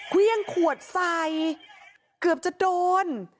เครื่องขวดใส่เกือบจะโดน